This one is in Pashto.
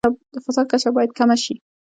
د فساد کچه باید کمه شي.